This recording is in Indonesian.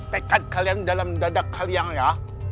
tekad kalian dalam dada kalian ya